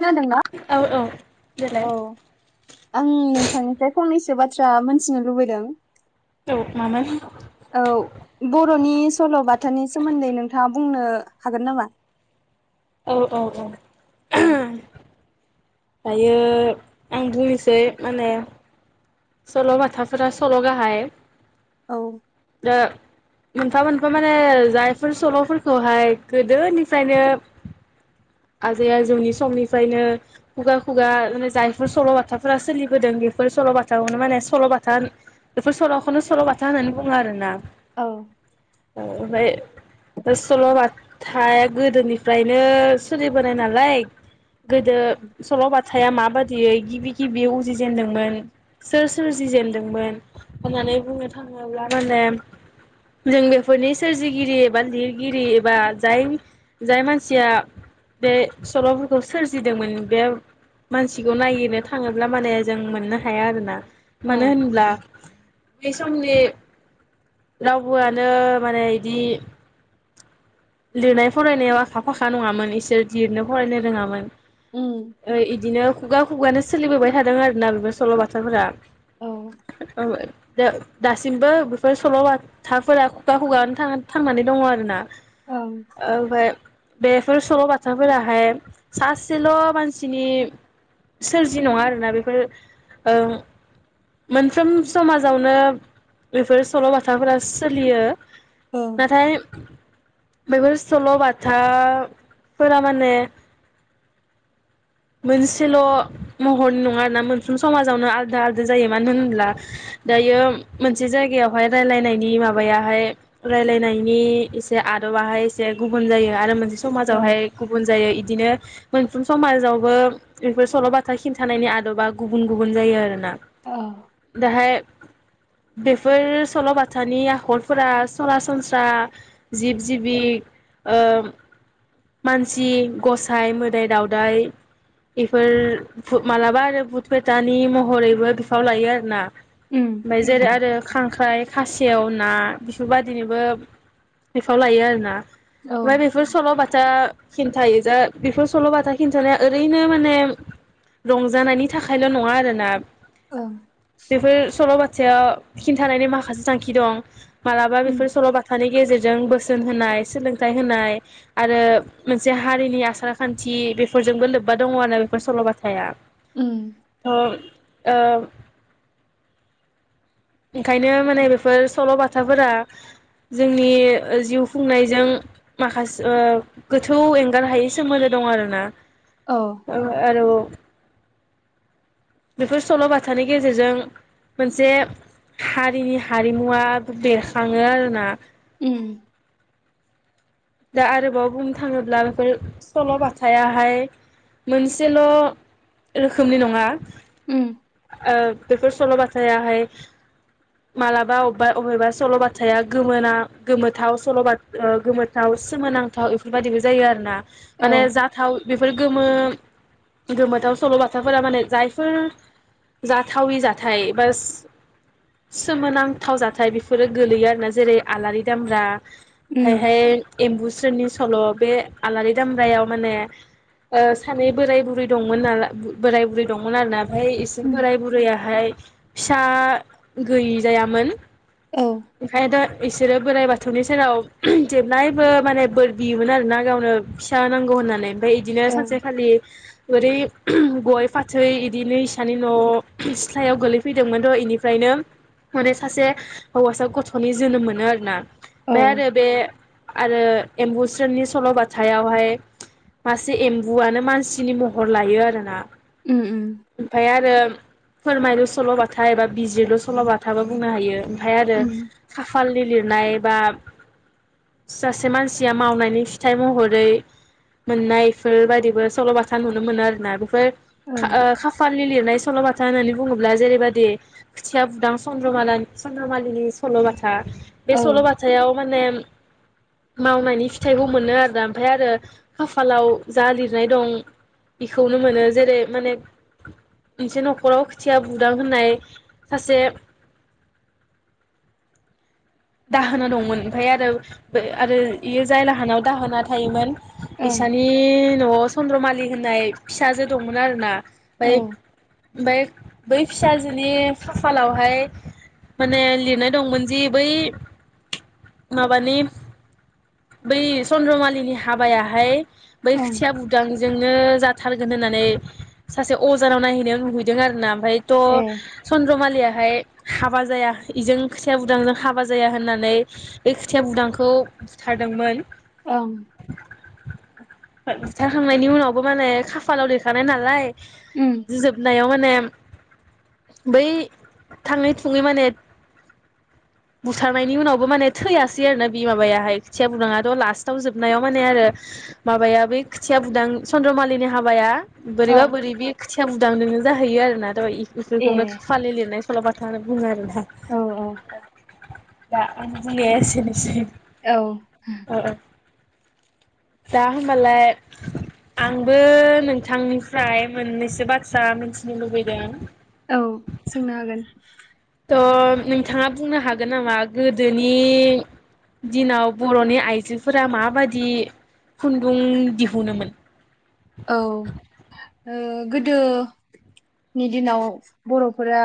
खोनादोंना? औ औ औ देलाय आं नोंथांनिफ्राय फं नैसो बाथ्रा मोनथिनो लुबैदों। औ मामोन औ बर'नि सल'बा थानि सोमोन्दै नोंथाङा बुंनो हागोन नामा? औ औ औ औ दायो आं बुंनोसै माने सल'बाथाफोरा सल' गाहाय। औ दा मोनफा मोनफा माने जायफोर सल'फोरखौहाय गोदोनिफ्रायनो आजै आजौनि समनिफ्रायनो खुगा खुगा माने जायफोर सल'बाथाफोरा सोलिबोदों बेफोर सल'बा जावनो माने सल' बाथा बेफोर सल'खौनो सल' बाथा होननानै बुङो आरो ना। औ ओ ओमफाय फाय सल'बाथाया गोदोनिफ्रायनो सोलिबोनाय नालाय। गोदो औ सल' बाथाया माबादि यै गिबि गिबि उजिजेनदोंमोन। सोर सोरजिजेनदोंमोन हमनानै बुंनो थाङोब्ला माने जों बेफोरनि सोरजिगिरि एबा लिरगिरि एबा जाय जाय मानसिया बे सल'फोरखौ सोरजिदोंमोन बे मानसिखौ नागिरनो थाङोब्ला माने जों मोननो हाया आरोना। मानो औ होनब्ला। बै समनि रावबोआनो माने इदि। लिरनाय फरायनायाव आखा-फाखा नङामोन इसोर जिरनो फरायनो रोङामोन। ओं ओ इदिनो। खुगा-खुगानो सोलिबोबाय थादों आरोना बेफोर सल' बाथाफोरा। ओं [unintelligible] दा। दासिमबो बेफोर सल'बाथाफोरा खुगा-खुगानो था-थांनानै दङ आरो ना। ओं ओमफाय। बेफोर सल'बाथाफोराहाय सासेल' मानसिनि सोरजि नङा आरोना बेफोर ओं मोनफ्रोम समाजावनो बेफोर सल'बाथाफोरा सोलियो। नाथाय। बेफोर सल' बाथाफोरा माने मोनसेल' महरनि नङा आरोना मोनफ्रोम समाजावनो आलदा-आलदा जायो मानो होनब्ला दायो मोनसे जायगायावहाय रायलायनायनि माबायाहाय रायलायनायनि एसे आ बाहाय एसे गुबुन जायो आरो मोनसे औ समाजावहाय गुबुन जायो इदिनो। मोनफ्रोम समाजावबो बेफोर सल' बाथा खिन्थानायनि आदबा गुबुन गुबुन जायो आरोना। दाहाय बेफोर सल'बाथानि आखलफोरा सरासनस्रा जिब जिबि ओ मानसि गसाय मोदाय दावदाय बेफोर मालाबा आरो भुटपेटानि महरैबो बिफाव लायो आरोना उम ओमफ्राय जेरै आरो खां खांख्राय खासेव ना बेफोरबायदिनोबो लायो आरो ना। औ ओं ओमफ्राय बेफोर सल'बाथा खिन्थायो जा बेफोर सल' बाथा खिन्थानाया ओरैनो माने रंजानायनि थाखायल' नङा आरोना बेफोर सल' बाथा खिनथानायनि माखासे थांखि दं। मालाबा उम बेफोर सल'बाथानि गेजेरजों। जोंबो। बोसोन होनाय सोलोंथाइ होनाय आरो मोनसे हारिनि आसार खान्थि बेफोरजोंबो लोब्बा दङ आरो बेफोर सल'बाथाया। उम थ'। आ। ओंखायनो माने बेफोर सल' बाथाफोरा जोंनि जिउ खुंनायजों माखासे गोथौ एंगार हायै सोमोन्दो दं आरोना। औ आरो। बेफोर सल' बाथानि गेजेरजों मोनसे हारिनि हारिमुवा बेरखाङो आरोना! ओम। दा आरोबाव बुंनो थाङोब्ला बेफोर सल' बाथाहाय मोनसेल' रोखोमनि नङा उम आ बेफोर सल' बथायाहाय मालाबा अबेबा अबेबा सल'बाथाया गोमोना गोमोथाव सल'बाथ गो दाव सोमोनांथाव इफोरबायदिबो जायो आरो ना। औ माने जाथाव बेफोर गोमो गोमोथाव सल'बाथाफोरा माने जायफोर जाथावि जाथाइ बा सोमोनांथाव जाथाइ बेफोरो गोलैयो आरोना जेरै आलारि दामब्रा उम फ्रायहाय एम्बुस्रोननि सल' बे आलारि दामब्रायाव माने ओ सानै बोराइ बुरै दंमोन नाला बोराय बुरै दंमोन आरो ना ओफाय एसे उम बोराइ बुरैयाहाय फिसा गैजायामोन। औ बेखाय [unintelligible] इसोरो बोराइ बाथौनि सेराव जे ब्लायबो माने बोर बियोमोन आरो ना गावनो फिसा नांगौ होननानै। फ्राय इदिनो ओं सानसेखालि ओरै गय फाथै इदिनो इसानि न'आव सिथ्लायाव गोलैफैदोंमोनद' इनिफ्रायनो माने सासे हौवासा गथ'नि जोनोम मोनो आरोना। औ [unintelligible] आरो बे आरो एम्बुस्रोननि सल'बथायावहाय मासे एम्बुआनो मानसिनि महर लायो आरोना। उम उम ओमफाय आरो फोरमायलु सल' बाथा एबा बिजिरलु सल' बाथा बो बुंनो हायो। फाय आरो उम फालनि लिरनाय बा सासे मानसिया मावनायनि फिथाइ महरै मोननायफोर बादिबो सल'बाथा नुनो मोनो आरोना बेफोर ओं खा ओ खाफालनि लिरनाय सल'बाथ खोथा होननानै बुङोब्ला जेरैबादि खोथिया बुदां चन्द्रमालानि चन्द्रमालिनि सल' बाथा था बे औ सल' बाथायाव माने मावनायनि फिथाइखौ मोनो आरोना ओमफाय आरो खाफालाव जा लिरनाय दं इखौनो मोनो जेरै माने मोनसे न'खराव खोथिया बुदां होननाय सासे दाहोना दंमोन ओमफाय आरो बे आरो इयो जाय लाहानाव दाहोना थायोमोन ओं इसानि न'आव चन्द्रमालि लि होननाय फिसाजो दंमोन आरो ना। औ बाय बाय बै फिसाजोनि खाफालावहाय माने लिरनाय दंमोन जि बै माबानि बै चन्द्रमालिनि हाबायाहाय बै ओं खोथिया बुदां जोंनो जाथारगोन होननानै सासे अजानाव नायहैनायाव नुहैदों आरो ना। ओफायत' ए चन्द्रमालिया ओमफाय हाबा जाया इजों खोथिया बुदांजों हाबा जा जाया होननानै बे खुथिया बुदांखौ बुथारदोंमोन। ओं [unintelligible] खांनायनि उनावबो माने खाफालाव लिरखानाय नालाय। उम जोबनायाव मेम बै थाङै थुङै माने बुथारनायनि उनावबो माने थैयासै आरो ना बे माबायाहाय खोथिया बुदाङाथ' लास्टाव जोबनायाव माने आरो माबाया बै खोथिया बुदां चन्द्रमालिनि हाबाया बोरैबा ओं बोरैबि खोथिया बुदां दोङो जाहैयो आरोना दहै ए बिफोरखौनो खाफानि लिरनाय सलबाथा होन बुङो आरो [inaudible] औ औ दा आंनि बुंनाया एसेनोसै औ औ दा होबालाय आंबो नोंथांनिफ्राय मोननैसो बाथ्रा मिथिनो लुबैदों औ सोंनो हागोन ओ नोंथाङा बुंनो हागोन नामा गोदोनि दिनाव बर'नि आयजोफोरा माबादि खुन्दुं दिहुनोमोन औ ओ गोदो नि दिनाव बर'फोरा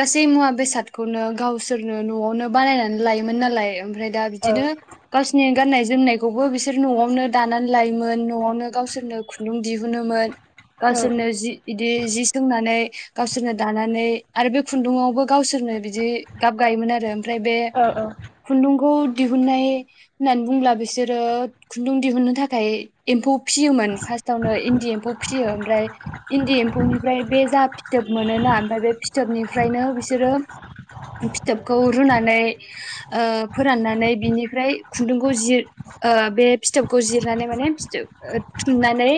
गासै मुवा बेसादखौनो गावसोरनो न'आवनो बानायनानै लायोमोन नालाय ओमफ्राय दा औ बिदिनो गावसिनि गाननाय जोमनायखौबो बिसोर न'आवनो दानानै लायोमोन न'आवनो गावसोरनो खुन्दुं दिहुनोमोन गावसोरनो जि इदि दि जि सोंनानै गावसोरनो दानानै आरो बे खुन्दुङावबो गावसोरनो बिदि गाब गायोमोन आरो फ्राय बे औ खुन्दुंखौ दिहुननाय होननानै बुंब्ला बिसोरो खुन्दुं दिहुननो थाखाय एम्फौ सियोमोन फास फौनो इन्दि एम्फौ फिसियो ओफ्राय इन्दि एम्फौनिफ्राय बे जा फिथोब मोनोना ओमफाय बे फिथोबनिफ्रानो बिसोरो फिथोबखौ रुनानै ओ फोराननानै बिनिफ्राय खुनदुंखौ जिर ओ बे फिथोबखौ जिरनानै माने फिथोब थुननानै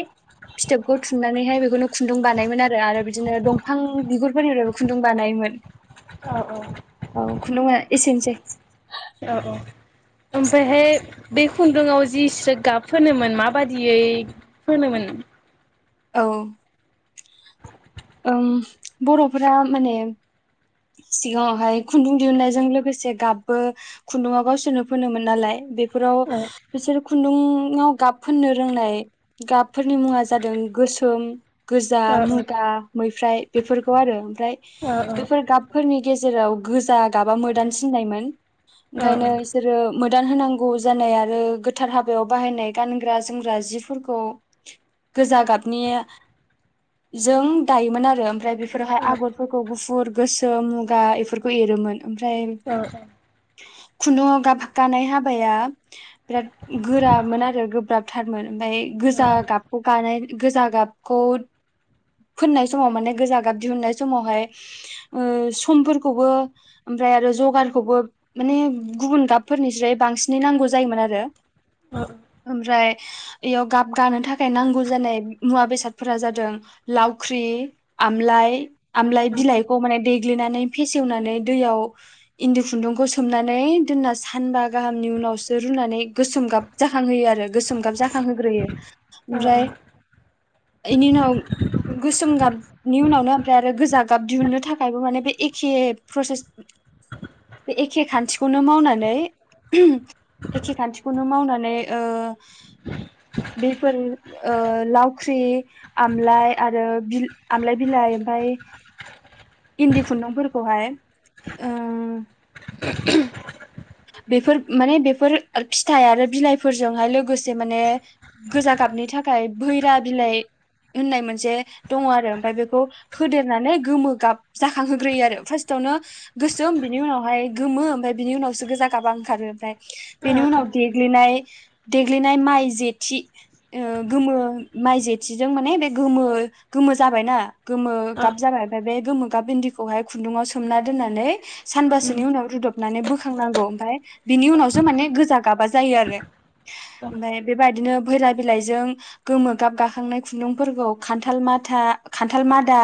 फिथोबखौ थुननानैहाय बेखौनो खुन्दुं बानायमोन आरो आरो बिदिनो दंफां बिगुरफोरनि खुन्दुं बानायोमोन औ औ खुुन्दुङा एसेनोसै औ औ ओमफायहाय बे खुन्दुआव जि स्रो गाब फोनोमोन माबादियै फोनोमोन औओम बर'फोरा माने सिगाङावहाय खुन्दुं दिहुननायजों लोगोसे गाबबो खुन्दुङाव गावसोरनो फनोमोन नालाय बे फोराव औ बिसोर खुन्दुं खुन्दुंआव गाब फोननो रोंनाय गाबफोरनि मुङा जादों गोसोम गोजा औ औ मुगा मै ओमफ्राय बेफोरखौ आरो ओमफ्राय औ औ बेफोर गाबफोरनि गेजेराव गोजा गाबा मोदान सिननायमोन। औ ओंखायनो इसोरो मोदान होनांगौ जानाय आरो गोथार हाबायाव बाहायनाय गानग्रा जोमग्रा जिफोरखौ गोजा गाब निजों दायोमोन आरो ओमफ्राय बेफोरावहाय आगरफोरखौ गुफुर गोसोम मुगा बेफोरखौ एरोमोन ओमफ्राय खुनु गाबगानाय हाबाया बिराद गोरामोन आरो गोब्राब थारमोन ओमफ्राय गोजा गाबखौ गानाय गोजा गाबखौ फोननाय समाव माने गोजा गाब दिहुननाय समावहाय ओ समफोरखौबो ओमफ्राय आरो जगारखौबो माने गुबुन गाबफोरनिस्राय बांसिनै नांगौ जायोमोन आरो। ओमफ्राय इयाव गाब गानो थाखाय नांगौ जानाय मुवा बेसादफोरा जादों लावख्रि आमलाय आमलाय बिलाइखौ माने दै गोग्लिनानै फेसेवनानै दैयाव इन्दि खुन्दुंखौ सोमनानै दोनना सानबा गाहामनि उनावसो रुनानै गोसोम गाब जाखांहोयो आरो गोसोम गाब जाखांहोग्रोयो ओमफ्राय बेनि उनाव गोसोम गाबनि उनावनो ओमफ्राय आरो गोजा गाब दिहुननो थाखायबो माने बे एखे प्रसेस एखे खान्थिखौनो मावनानै एखे खानथिखौनो मावनानै ओ बेफोर ओ लावख्रि आमलााय आरो बिल आमलााय बिलाइ ओमफाय इन्दि खुन्दुंफोरखौहाय ओ [inaudible] बेफोर माने बेफोर फिथाइ आरो बिलाइफोरजोंहाय लोगोसे माने गोजा गाबनि थाखाय भैरा बिलाइ होननाय मोनसे दङ आरो ओमफ्राय बेखौ होदेरनानै गोमो गाब जाखांहोग्रोयो आरो फार्स्टआवनो गोसोम बिनि उनावहाय गोमो ओमफ्राय बिनि उनाव गोजा गाबा ओखारो ओमफ्राय बेनि उनाव देग्लिनाय देग्लिनाय माइ जेथि गोमो माइ जेथिजों माने बे गोमो गोमो जाबायना गोमो गाब जाबाय आरो ओमफ्राय बे गोमो गाब बिन्दिखौहाय खुन्दुंआव सोमना दोननानै साबासोनि उनाव रूदबनानै बोखां खांनांगौ ओमफ्राय बिनि उनावसो माने गोजा गाबा जायो आरो ओमफ्राय बेबायदिनो भैला बिलाइजों गोमो गाब गाखांनाय खुन्दुंफोरखौ खान्थाल माथा खान्थाल मादा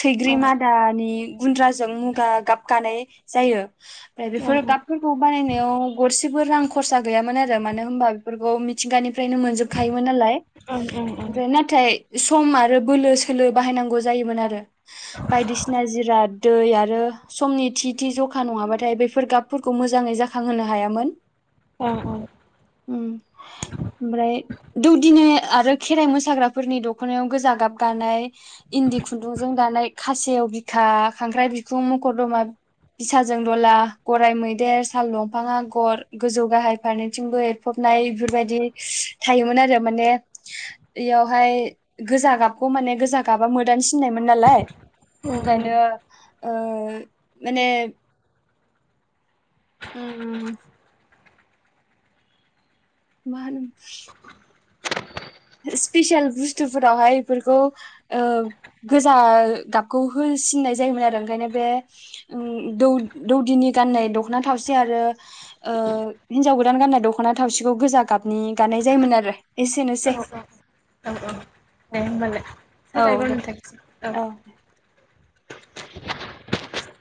थैग्रि मादानि गुन्द्राजों मुगा गाबगानाय जायो। औ औ बेखौ बानायनायाव गरसेबो रां खरसा गैयामोन आरो मानो होनबा बेफोरखौ मिथिंगानिफ्रायनो मोनजोबखायोमोन नालाय। ओमफ्राय नाथाय सम आरो बोलो सोलो बाहायनांगौ जायोमोन आरो बायदिसिना जिराद दै आरो समनि थि थि जखा नङाबाथाय बेफोर गाब फोरखौ मोजाङै जाखां होनो हायामोन। अ औ। उम ओमफ्राय दौदिनि आरो खेराइ मोसाग्राफोरनि दख'नायाव गोजा गाब गानाय इन्दि खुन्दुंजों दानाय खासेव बिखा खांख्राइ बिखुं मखर दमा बिसाजों दला गराइ मैदेर साल दंफां आगर गोजौ गाहाय फारनैथिंबो एरफबनाय बेफोरबायदि थायोमोन आरो माने इयावहाय गोजा गाबखौ माने गोजा गाबा मोदानो सिननायमोन नालाय औ औ ओंखायनो ओ माने उम उम। मा होनो [unintelligible] स्पेसियेल बुस्थुफोरावहाय बेफोरखौ ओ गोजा गाबखौ होसिननाय जायोमोन आरो ओंखायनो बे ओं दौ दौदिनि गाननाय दख'ना थावसि आरो ओ हिनजाव गोदान गाननाय दख'ना थावसिखौ गोजा गाबनि गाननाय जायोमोन आरो। एसेनोसै। औ औ दे होमबालाय। औ साबायगर दे नोंथांनि सिम औ।